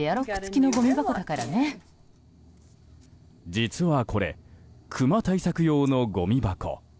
実はこれクマ対策用のごみ箱。